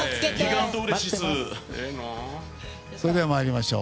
それでは、参りましょう。